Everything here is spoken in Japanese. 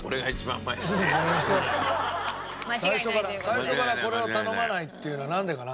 最初からこれを頼まないっていうのなんでかな？